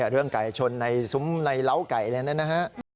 เรื่องไก่ชนในซุ้มในเล้าไก่อะไรนะฮะ